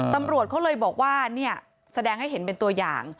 ตำรวจเขาเลยบอกว่าเนี่ยแสดงให้เห็นเป็นตัวอย่าง